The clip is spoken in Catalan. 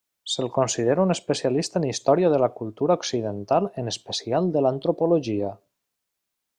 Se'l considera un especialista en història de la cultura occidental en especial de l'antropologia.